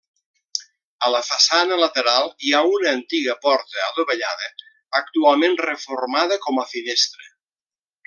A la façana lateral hi ha una antiga porta adovellada, actualment reformada com a finestra.